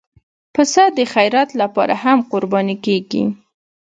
پسه د خیرات لپاره هم قرباني کېږي.